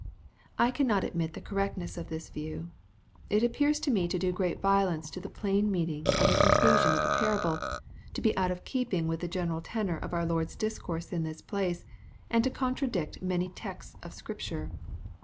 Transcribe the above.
I cannot admit the correctness of this view. It appears to me to do great violence to the plain meaning of the conclusion of the parable, to be out of keeping with the general tenor of our Lord's discourse in this place, and to contradict many texts of Scripture.